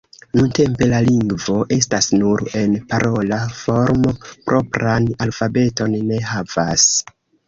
Nuntempe la lingvo estas nur en parola formo, propran alfabeton ne havas.